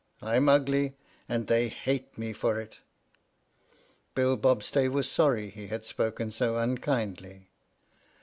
I'm ugly, and they hate me for it!" Bill Bobstay was sorry he had spoken so un kindly.